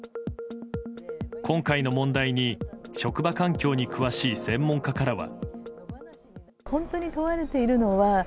今回の問題に、職場環境に詳しい専門家からは。